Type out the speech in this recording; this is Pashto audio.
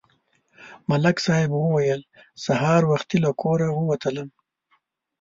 ملک صاحب وویل: سهار وختي له کوره ووتلم